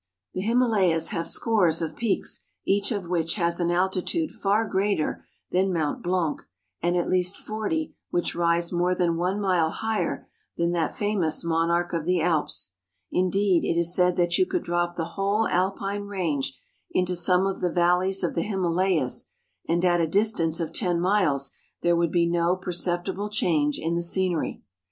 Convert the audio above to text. The Himalayas have scores of peaks, each of which has an altitude far greater than Mount Blanc, and at least forty which rise more than one mile higher than that famous monarch of the Alps. Indeed, it is said that you could drop the whole Alpine range into some of the valleys of the Himalayas, and at a distance of ten miles there would be no perceptible change in the scenery.